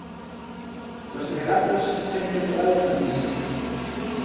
Lostregazos Sempre que vaias á misa.